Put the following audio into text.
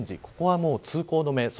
ここは通行止め。